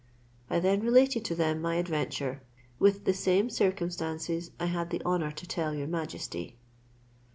I then related to them my adventure, with the same circumstances I had the honour to tell your majesty.